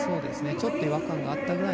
ちょっと違和感があったぐらい。